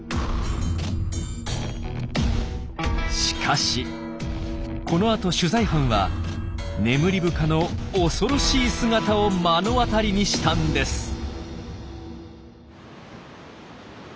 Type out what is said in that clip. しかしこのあと取材班はネムリブカの恐ろしい姿を目の当たりにしたんです。